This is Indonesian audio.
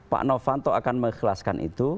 pak novanto akan mengikhlaskan itu